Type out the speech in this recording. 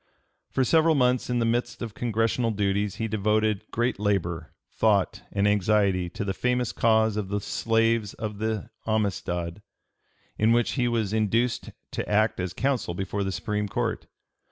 For several months in the midst of Congressional duties he devoted great labor, thought, and anxiety to the famous cause of the slaves of the Amistad, in which he was induced to act as counsel before the Supreme Court.